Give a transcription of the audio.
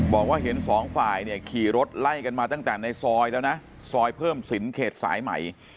บอกว่าเห็นสองฝ่ายเนี่ยขี่รถไล่กันมาตั้งแต่ในซอยแล้วนะซอยเพิ่มสินเขตสายใหม่